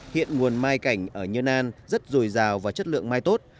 hiện nguồn mai cảnh ở nhơn an rất dồi dào và chất lượng mai tốt